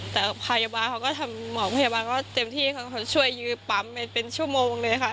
แต่พยาบาลเขาก็ทำหมอพยาบาลก็เต็มที่เขาช่วยยื้อปั๊มไปเป็นชั่วโมงเลยค่ะ